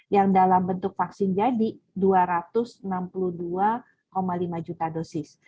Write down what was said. yang dalam bentuk vaksin jadi dua ratus enam puluh dua lima juta dosis